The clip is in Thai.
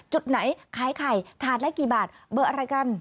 จุดไหนขายไข่ถาดละกี่บาทเบอร์อะไรกัน